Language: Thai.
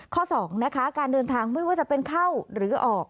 ๒นะคะการเดินทางไม่ว่าจะเป็นเข้าหรือออก